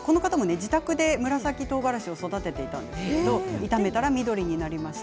自宅で紫とうがらしを育てているんだそうですけど炒めたら緑になりました。